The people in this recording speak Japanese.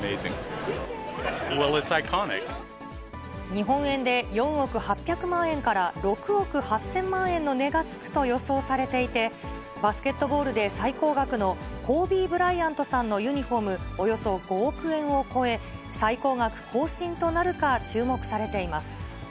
日本円で４億８００万円から６億８０００万円の値がつくと予想されていて、バスケットボールで最高額のコービー・ブライアントさんのユニホーム、およそ５億円を超え、最高額更新となるか注目されています。